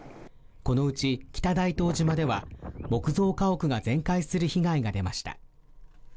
このうち北大東島では木造家屋が全壊する被害が出ました